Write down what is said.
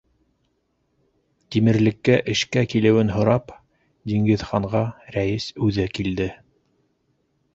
Тимерлеккә эшкә килеүен һорап, Диңгеҙханға рәйес үҙе килде.